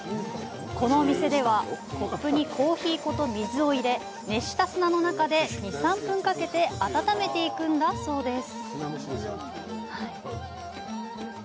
このお店では、コップにコーヒー粉と水を入れ、熱した砂の中で２３分かけて温めていくんだそうです。